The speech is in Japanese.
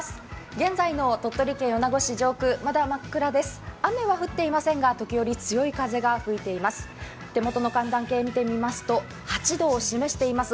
現在の鳥取県米子市真っ暗です、雨は降っていませんが時折、強い風が吹いています。